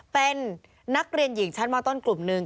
เป็นนักเรียนหญิงชั้นมต้นกลุ่มหนึ่ง